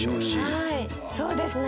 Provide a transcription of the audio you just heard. はいそうですね。